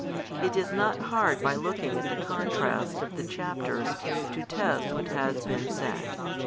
It is not hard by looking at the contrast of the chapters 12 to test what has been said.